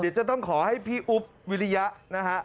เดี๋ยวจะต้องขอให้พี่อุ๊บวิริยะนะฮะ